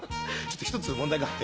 ひとつ問題があって